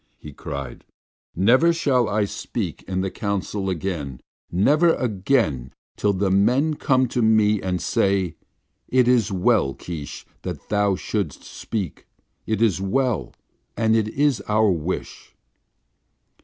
he cried. "Never shall I speak in the council again, never again till the men come to me and say, 'It is well, Keesh, that thou shouldst speak, it is well and it is our wish.'